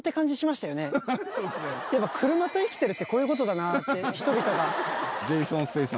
やっぱ車と生きてるってこういうことだなって人々が。